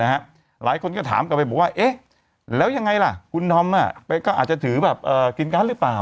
หลายคนก็ถามกลับไปบอกว่าเอ๊ะแล้วยังไงล่ะคุณธอมก็อาจจะถือแบบกินการ์ดหรือเปล่า